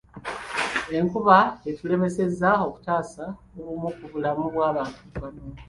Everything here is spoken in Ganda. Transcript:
Enkuba etulemesezza okutaasa obumu ku bulamu bw'abantu bano.